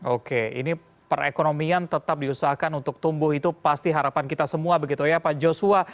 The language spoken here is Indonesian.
oke ini perekonomian tetap diusahakan untuk tumbuh itu pasti harapan kita semua begitu ya pak joshua